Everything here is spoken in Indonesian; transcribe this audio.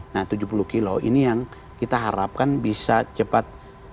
nah tujuh puluh kilo ini yang kita harapkan bisa cepat